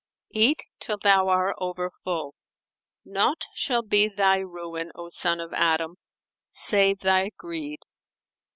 [FN#451] Eat till thou are over full; naught shall be thy ruin, O son of Adam, save thy greed.